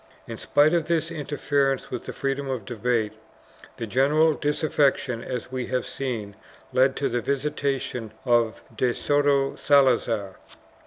2 In spite of this interference with the freedom of debate, the general disaffection, as we have seen, led to the visitation of de Soto Salazar.